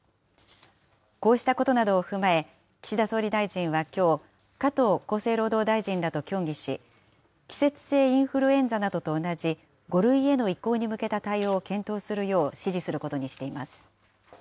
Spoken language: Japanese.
こうしたことなどを踏まえ、岸田総理大臣はきょう、加藤厚生労働大臣らと協議し、季節性インフルエンザなどと同じ５類への移行に向けた対応を検討するよう指示することにしています。